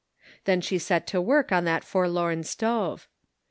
Then she set to work on that forlorn stove.